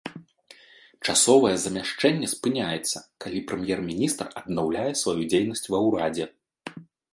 Часовае замяшчэнне спыняецца, калі прэм'ер-міністр аднаўляе сваю дзейнасць ва ўрадзе.